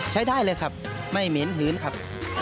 ใช้ได้เลยครับไม่เหม็นพื้นครับ